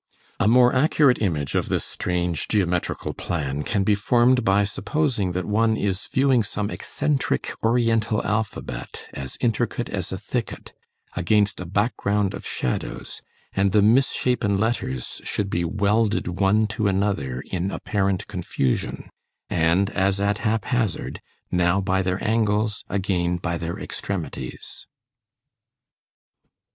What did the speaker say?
A more accurate image of this strange geometrical plan can be formed by supposing that one is viewing some eccentric oriental alphabet, as intricate as a thicket, against a background of shadows, and the misshapen letters should be welded one to another in apparent confusion, and as at haphazard, now by their angles, again by their extremities.